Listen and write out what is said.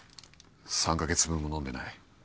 ３カ月分も飲んでない